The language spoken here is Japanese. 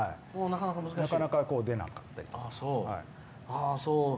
なかなか出なかったり。